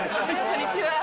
こんにちは。